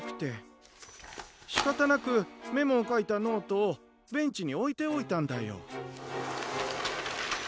しかたなくメモをかいたノートをベンチにおいておいたんだよ。